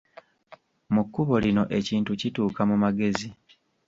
Mu Kkubo lino ekintu kituuka mu magezi.